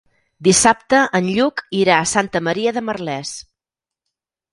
Dissabte en Lluc irà a Santa Maria de Merlès.